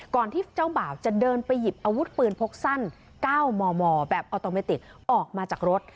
ที่เจ้าบ่าวจะเดินไปหยิบอาวุธปืนพกสั้น๙มมแบบออโตเมติกออกมาจากรถ